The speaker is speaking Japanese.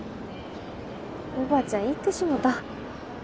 おばあちゃん行ってしもた。